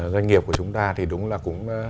doanh nghiệp của chúng ta thì đúng là cũng